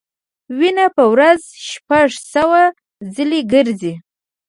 وینه په ورځ شپږ سوه ځلې ګرځي.